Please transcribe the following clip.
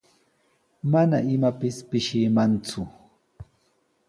Mana imapis pishimanku.